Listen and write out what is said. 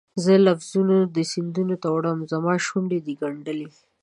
زما لفظونه دي سیند وړي، زماشونډې دي ګنډلي